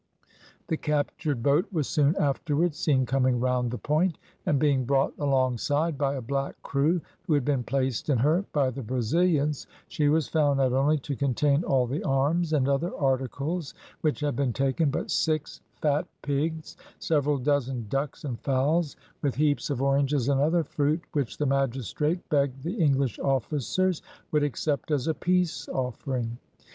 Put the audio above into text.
The captured boat was soon afterwards seen coming round the point, and being brought alongside by a black crew, who had been placed in her by the Brazilians, she was found not only to contain all the arms, and other articles which had been taken, but six fat pigs, several dozen ducks and fowls, with heaps of oranges and other fruit, which the magistrate begged the English officers would accept as a peace offering.